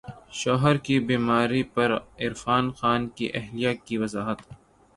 شوہر کی بیماری پر عرفان خان کی اہلیہ کی وضاحت